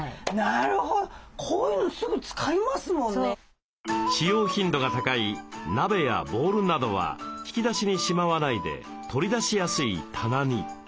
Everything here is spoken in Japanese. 使用頻度が高い鍋やボウルなどは引き出しにしまわないで取り出しやすい棚に。